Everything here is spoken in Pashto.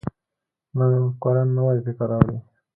نوې مفکوره نوی فکر راوړي